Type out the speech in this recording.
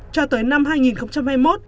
cho tới năm hai nghìn năm